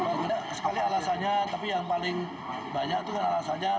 paling beda sekali alasannya tapi yang paling banyak itu alasannya